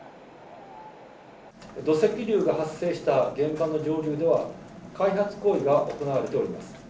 土石流が発生した現場の上流では、開発行為が行われております。